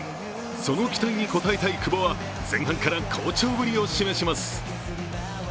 その期待に応えたい久保は前半から好調ぶりを示します。